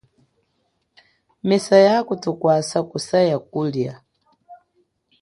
Mesa ya kutukwasa kusa ya kulia.